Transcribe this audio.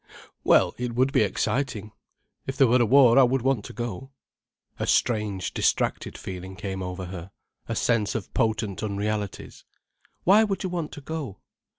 Well, it would be exciting. If there were a war I would want to go." A strange, distracted feeling came over her, a sense of potent unrealities. "Why would you want to go?"